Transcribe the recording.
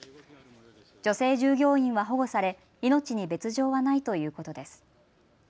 女性従業員は保護され命に別状はないということです。